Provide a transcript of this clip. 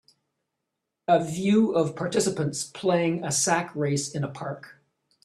A view of participants playing a sack race in a park